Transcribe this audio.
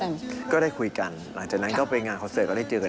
แล้วก็ค่อยคุยกันมาเรื่อยจนทั้งปีสองปีสามปีก็เริ่มเป็นแฟนกัน